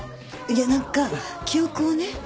いや何か記憶をね